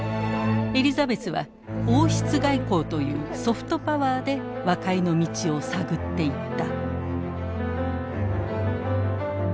エリザベスは王室外交というソフトパワーで和解の道を探っていった。